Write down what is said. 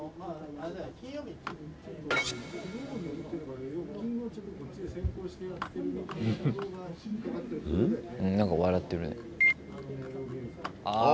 ああ。